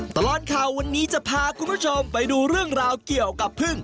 ตลอดข่าววันนี้จะพาคุณผู้ชมไปดูเรื่องราวเกี่ยวกับพึ่ง